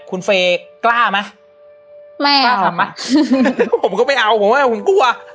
คุณเฟย์กล้าไหมไม่อ่ะผมก็ไม่เอาผมไม่เอาผมกลัว